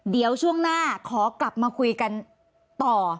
เดี๋ยวช่วงหน้าขอกลับมาคุยกันต่อ